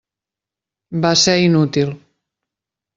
Va ser inútil.